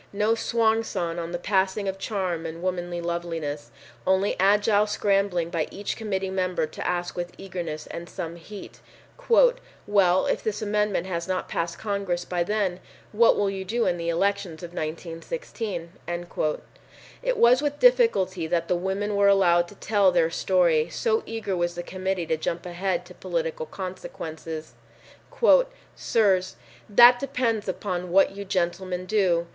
No swan song on the passing of charm and womanly loveliness! Only agile scrambling by each committee member to ask with eagerness and some heat, "Well, if this amendment has not passed Congress by then, what will you do in the elections of 1916?" It was with difficulty that the women were allowed to tell their story, so eager was the Committee to jump ahead to political consequences. "Sirs, that depends upon what you gentlemen do.